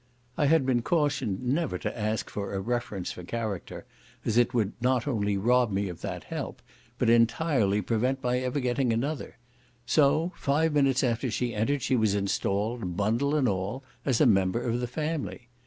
I had been cautioned never to ask for a reference for character, as it would not only rob me of that help, but entirely prevent my ever getting another; so, five minutes after she entered she was installed, bundle and all, as a member of the family.